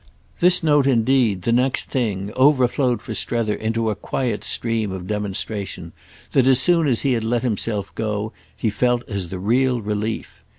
This note indeed the next thing overflowed for Strether into a quiet stream of demonstration that as soon as he had let himself go he felt as the real relief.